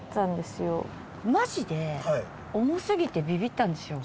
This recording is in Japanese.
まじで重すぎてビビったんですよ